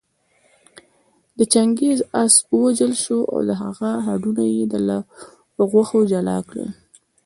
د چنګېز آس ووژل شو او د هغه هډونه يې له غوښو جلا کړل